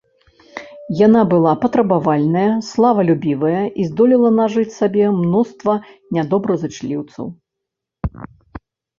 Яна была патрабавальная, славалюбівыя і здолела нажыць сабе мноства нядобразычліўцаў.